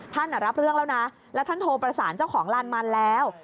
รับเรื่องแล้วนะแล้วท่านโทรประสานเจ้าของลานมันแล้ว